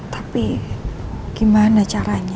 tapi gimana caranya